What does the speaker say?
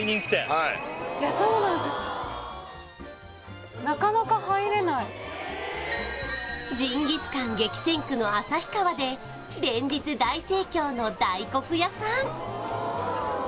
はいジンギスカン激戦区の旭川で連日大盛況の大黒屋さん